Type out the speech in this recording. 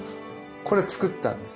これは作ったんです。